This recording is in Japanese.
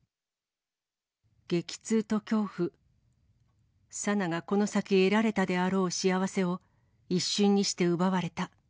激痛と恐怖、紗菜がこの先得られたであろう幸せを一瞬にして奪われた。